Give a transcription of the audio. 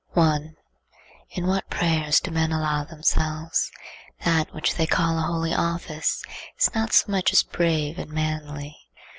1. In what prayers do men allow themselves! That which they call a holy office is not so much as brave and manly.